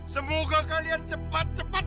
semoga kalian cepat cepat